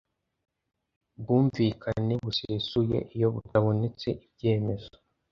bwumvikane busesuye iyo butabonetse ibyemezo